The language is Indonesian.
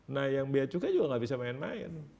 nah yang biacuka juga nggak bisa main main